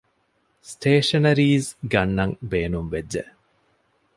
ސްޓޭޝަނަރީޒް ގަންނަން ބޭނުންވެއްޖެ